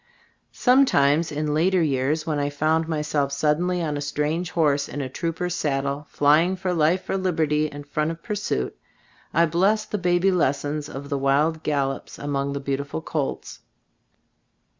Some times, in later years, when I found myself suddenly on a strange horse in a trooper's saddle, flying for life or liberty in front of pursuit, I blessed the baby lessons of the wild gallops among the beautiful colts.